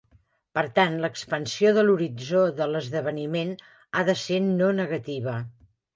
Per tant, l'expansió de l'horitzó de l'esdeveniment ha de ser no negativa.